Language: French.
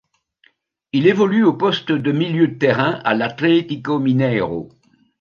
Il évolue au poste de milieu de terrain à l'Atlético Mineiro.